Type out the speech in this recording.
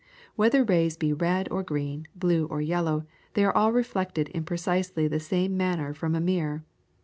Whether rays be red or green, blue or yellow, they are all reflected in precisely the same manner from a mirror.